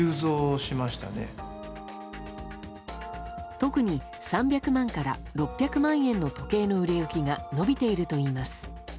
特に３００万から６００万円の時計の売れ行きが伸びているといいます。